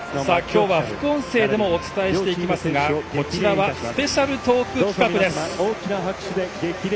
今日は、副音声でもお伝えしていきますがこちらはスペシャルトーク企画です。